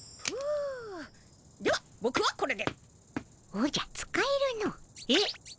おじゃ使えるの。え？